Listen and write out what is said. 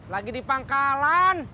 lagi di pangkalan